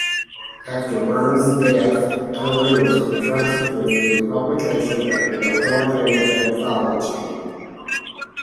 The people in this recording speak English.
After Burns's death, Currie was entrusted with the publication of an authoritative anthology.